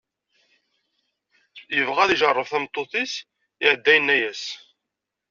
yebɣa ad d-ijerreb tameṭṭut-is, iɛedda yenna-as.